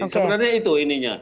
sebenarnya itu ininya